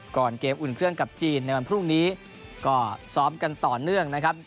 ก่อนเกมอุ่นเครื่องกับจีนในวันพรุ่งนี้ก็ซ้อมกันต่อเนื่องนะครับ